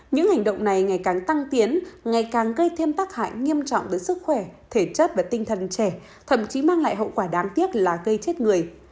những hành động này ngày càng tăng tiến ngày càng gây thêm tác hại nghiêm trọng đến sức khỏe thể chất và tinh thần trẻ thậm chí mang lại hậu quả đáng tiếc là gây chết người